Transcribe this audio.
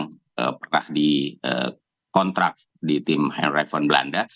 yang pernah di kontrak di tim heinrich von blanda